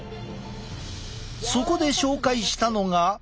そこで紹介したのが。